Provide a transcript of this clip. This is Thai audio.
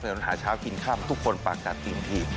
เหนือนหาเช้ากินข้ามทุกคนปากกับจริง